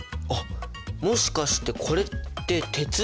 もしかしてこれって鉄？